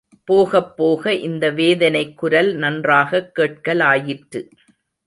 போகப்போக இந்த வேதனைக் குரல் நன்றாகக் கேட்கலாயிற்று.